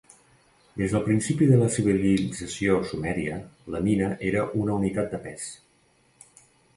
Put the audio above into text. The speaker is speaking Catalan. Des del principi de la civilització Sumèria la mina era una unitat de pes.